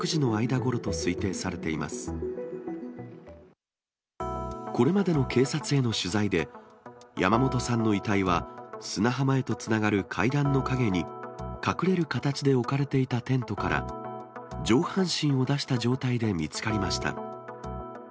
これまでの警察への取材で、山本さんの遺体は、砂浜へとつながる階段の陰に隠れる形で置かれていたテントから上半身を出した状態で見つかりました。